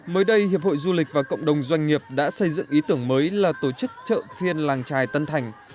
mới đây hiệp hội du lịch và cộng đồng doanh nghiệp đã xây dựng ý tưởng mới là tổ chức chợ phiên làng trài tân thành